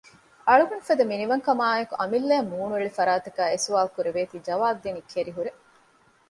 އަޅުގަނޑުފަދަ މިނިވަންކަމާއި އެކު އަމިއްލައަށް މޫނުއެޅި ފަރާތަކާ އެ ސުވާްލު ކުރެވޭތީ ޖަވާބު ދިނީ ކެރިހުރޭ